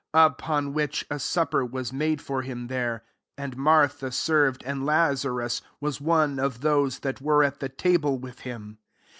2 Upon which, a supper was made for him there ; and Mar tha served : and Lazarus was one of those that were at the table with him.